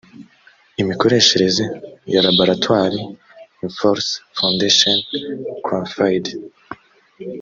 imikoreshereze ya laboratoire inforce foundation cranfield